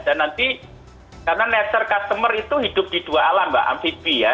dan nanti karena leisure customer itu hidup di dua alam mbak amphibia